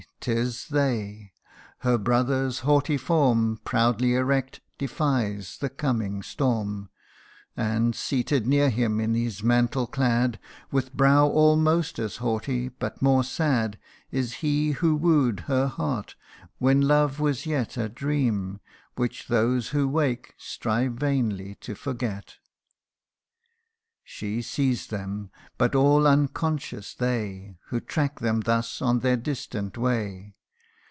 'tis they ! Her brother's haughty form, Proudly erect, defies the coming storm : And, seated near him, in his mantle clad, With brow almost as haughty, but more sad, Is he who woo'd her heart, when love was yet A dream which those who wake, strive vainly to forget ! She sees them, but all unconscious they, Who tracks them thus on their distant way.